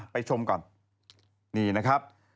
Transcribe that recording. ชมก่อนนี่นะครับ